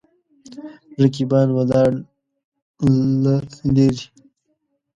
رقیبان ولاړ له لرې.